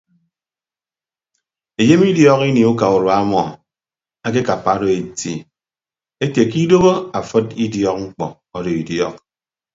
Enyem idiok ini uka urua ọmọ akekappa odo eti ate ke idooho afịd idiọk mkpọ ado idiọk.